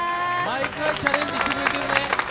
毎回チャレンジしてくれてるね。